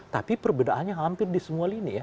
tapi perbedaannya hampir di semua lini ya